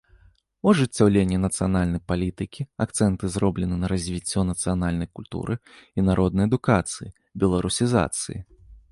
У ажыццяўленні нацыянальнай палітыкі акцэнты зроблены на развіццё нацыянальнай культуры і народнай адукацыі, беларусізацыі.